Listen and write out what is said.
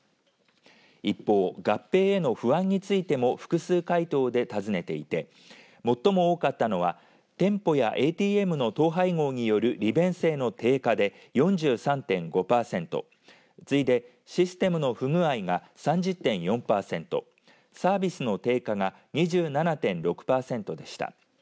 一方、合併への不安についても複数回答で尋ねていて最も多かったのは店舗やＡＴＭの統廃合による利便性の低下で４３．５パーセント次いで、システムの不具合が３０．４パーセントサービスの低下が２７．６％でした。